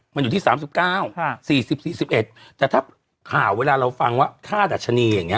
มันอยู่ที่สามสิบเก้าค่ะสี่สิบสี่สิบเอ็ดแต่ถ้าข่าวเวลาเราฟังว่าค่าดัชนีอย่างเงี้ย